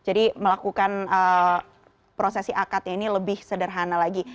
jadi melakukan prosesi akad ini lebih sederhana lagi